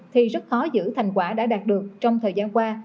thì rất khó giữ thành quả đã đạt được trong thời gian qua